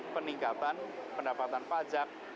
peningkatan pendapatan pajak